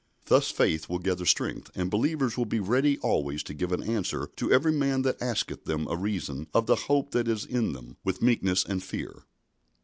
Thus faith will gather strength, and believers will be "ready always to give an answer to every man that asketh them a reason of the hope that is in them with meekness and fear."